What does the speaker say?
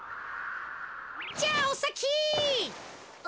じゃあおさき。